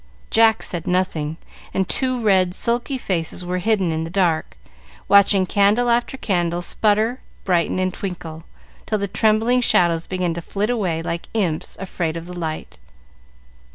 Jack said nothing, and two red sulky faces were hidden in the dark, watching candle after candle sputter, brighten, and twinkle, till the trembling shadows began to flit away like imps afraid of the light.